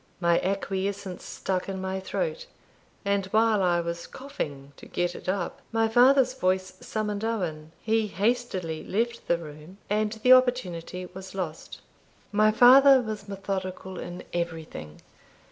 My acquiescence stuck in my throat; and while I was coughing to get it up, my father's voice summoned Owen. He hastily left the room, and the opportunity was lost. My father was methodical in everything.